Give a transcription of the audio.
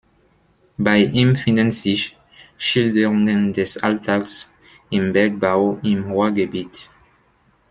Bei ihm finden sich Schilderungen des Alltags im Bergbau im Ruhrgebiet.